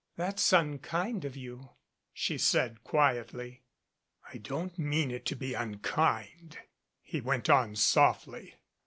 "That's unkind of you," she said quietly. "I don't mean it to be unkind," he went on softly.